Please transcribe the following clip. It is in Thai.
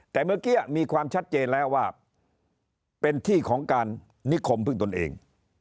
แต่เมื่อกี้มีความชัดเจนแล้วว่าเป็นที่ของการนิคมพึ่งตนเอง